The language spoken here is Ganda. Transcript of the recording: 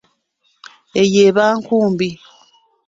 Eyo eba nkumbi.